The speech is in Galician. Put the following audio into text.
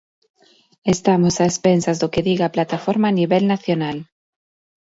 E estamos a expensas do que diga a plataforma a nivel nacional.